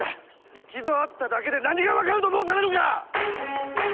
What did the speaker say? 一度会っただけで何が分かると申されるか！